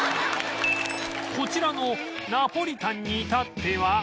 こちらのナポリタンにいたっては